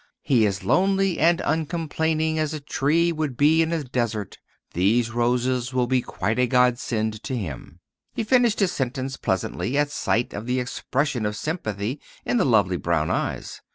"He is as lonely and uncomplaining as a tree would be in a desert; these roses will be quite a godsend to him." He finished his sentence pleasantly at sight of the expression of sympathy in the lovely brown eyes.